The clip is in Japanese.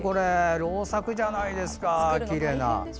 良作じゃないですか、きれいな。